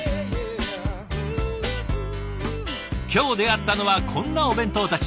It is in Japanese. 今日出会ったのはこんなお弁当たち。